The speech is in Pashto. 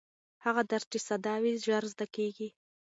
هغه درس چې ساده وي ژر زده کېږي.